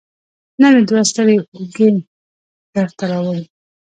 نن مې دوه ستړې اوږې درته راوړي